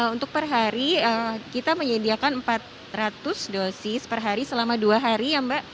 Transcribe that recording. untuk perhari kita menyediakan empat ratus dosis perhari selama dua hari ya mbak